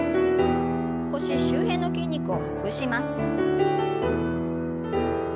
腰周辺の筋肉をほぐします。